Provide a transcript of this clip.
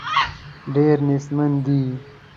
ډېر نېستمن دي.